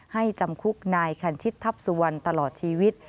จำคุกนายคันชิตทัพสุวรรณตลอดชีวิต